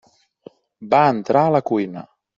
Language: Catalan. Va entrar a la cuina.